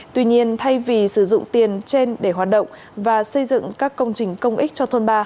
tuy nhiên thay vì sử dụng tiền trên để hoạt động và xây dựng các công trình công ích cho thôn ba